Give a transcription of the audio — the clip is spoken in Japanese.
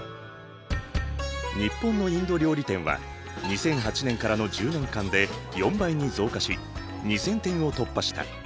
日本のインド料理店は２００８年からの１０年間で４倍に増加し２，０００店を突破した。